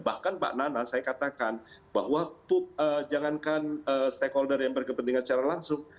bahkan pak nana saya katakan bahwa jangankan stakeholder yang berkepentingan secara langsung